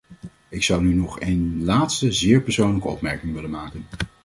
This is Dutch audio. Ik zou nu nog een laatste, zeer persoonlijke opmerking willen maken.